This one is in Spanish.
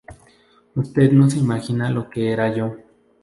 Usted no se imagina lo que era yo.